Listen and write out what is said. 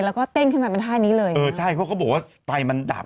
แล้วก็เต้นขึ้นมามันท้ายนี้เลยเออใช่เขาก็บอกว่าไตมันดับ